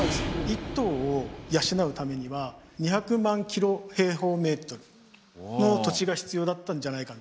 １頭を養うためには２００万キロ平方メートルの土地が必要だったんじゃないかみたいな。